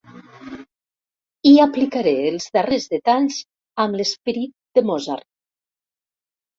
Hi aplicaré els darrers detalls amb l'esperit de Mozart.